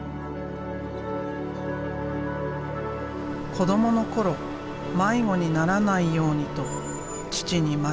子どもの頃迷子にならないようにと父に町の名前を教わった。